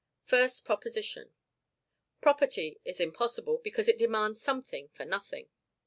FIRST PROPOSITION. Property is impossible, because it demands Something for Nothing.